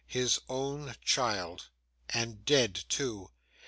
His own child! And dead too.